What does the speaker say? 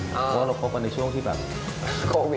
เพราะว่าเราคบกันในช่วงที่แบบโควิด